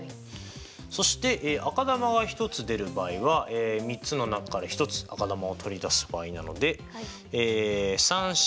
そして赤球が１つ出る場合は３つの中から１つ赤球を取り出す場合なのでえＣ。